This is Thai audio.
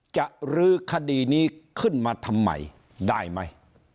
รื้อคดีนี้ขึ้นมาทำไมได้ไหม